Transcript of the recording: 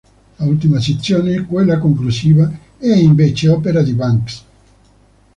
L'ultima sezione, quella conclusiva, è invece opera di Banks.